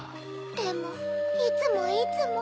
でもいつもいつも。